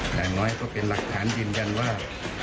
อย่างน้อยก็เป็นหลักฐานยืนยันว่า